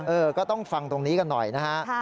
เออก็ต้องฟังตรงนี้กันหน่อยนะฮะ